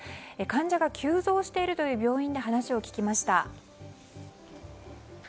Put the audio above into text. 患者が急増しているという病院で話を聞きました。